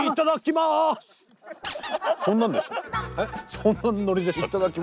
そんなノリでしたっけ？